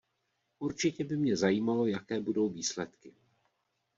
Určitě by mě zajímalo, jaké budou výsledky.